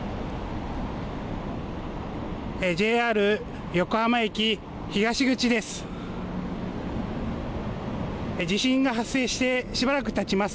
ＪＲ横浜駅東口です。